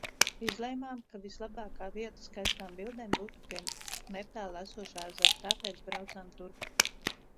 Izlēmām, ka vislabākā vieta skaistām bildēm būtu pie netālu esošā ezera, tāpēc braucām turp.